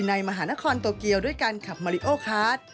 ในมหานครโตเกียวด้วยการขับมาริโอคาร์ด